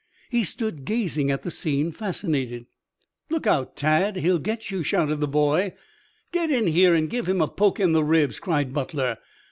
He stood gazing at the scene, fascinated. "Look out, Tad! He'll get you!" shouted the boy. "Get in here and give him a poke in the ribs," cried Butler.